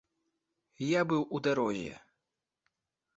Я быў у дарозе.